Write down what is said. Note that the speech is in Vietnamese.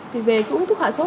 thì về cái uống thuốc hạ sốt